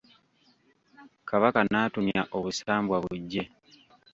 Kabaka n'atumya obusambwa bujje.